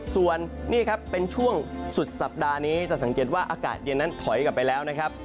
ส่วนนี่ครับเป็นช่วงสุดสัปดาห์นี้จะสังเกตว่าอากาศเย็นนั้นถอยกลับไปแล้วนะครับ